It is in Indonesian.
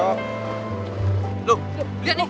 loh lihat nih